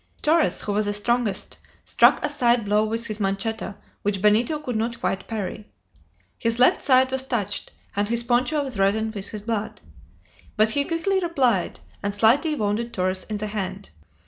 Torres, who was the strongest, struck a side blow with his manchetta which Benito could not quite parry. His left side was touched, and his poncho was reddened with his blood. But he quickly replied, and slightly wounded Torres in the hand.